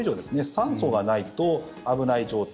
酸素がないと危ない状態。